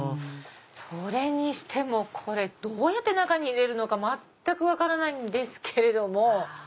それにしてもどうやって中に入れるのか全く分からないんですけれども。